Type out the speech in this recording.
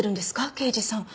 刑事さん。